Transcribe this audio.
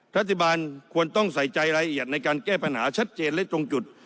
รัฐบาลควรต้องใส่ใจรายละเอียดในการแก้ปัญหาชัดเจนและตรงจุด